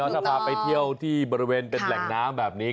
ถ้าพาไปเที่ยวที่บริเวณเป็นแหล่งน้ำแบบนี้